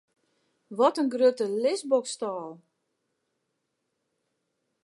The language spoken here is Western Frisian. Wat in grutte lisboksstâl!